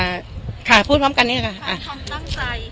ค่ะคำตั้งใจคำตั้งใจวันนี้นอกจากที่แบบมาให้กำลังใจแล้วเนี้ยคือคือ